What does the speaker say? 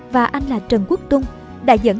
và anh là trần quốc tung đã dẫn